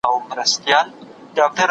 زه بايد پلان جوړ کړم!!